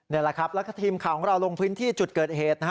นี่แหละครับแล้วก็ทีมข่าวของเราลงพื้นที่จุดเกิดเหตุ